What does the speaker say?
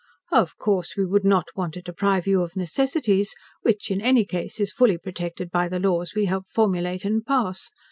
"Of course, we would not want to deprive you of necessities, which in any case is fully protected by the laws we helped formulate and pass.